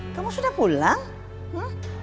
kamu sudah pulang